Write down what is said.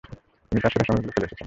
তিনি তার সেরা সময়গুলো ফেলে এসেছেন।